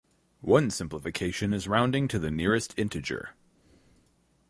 One simplification is rounding to the nearest integer.